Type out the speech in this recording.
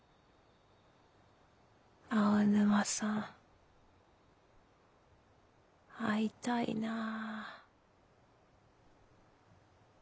青沼さん会いたいなぁ。